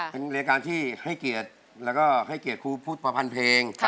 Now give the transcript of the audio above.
เป็นรายการที่ให้เกียรติแล้วก็ให้เกียรติครูพุทธประพันธ์เพลง